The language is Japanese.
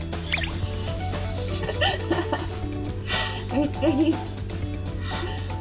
めっちゃ元気。